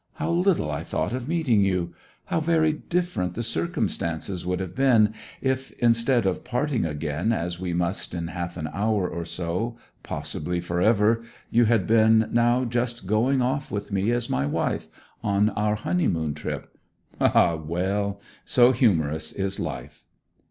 How little I thought of meeting you! How very different the circumstances would have been if, instead of parting again as we must in half an hour or so, possibly for ever, you had been now just going off with me, as my wife, on our honeymoon trip. Ha ha well so humorous is life!'